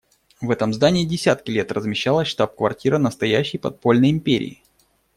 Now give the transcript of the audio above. В этом здании десятки лет размещалась штаб-квартира настоящей подпольной империи.